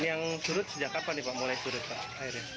ini yang surut sejak kapan pak mulai surut airnya